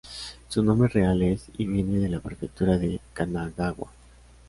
Su nombre real es y viene de la prefectura de Kanagawa.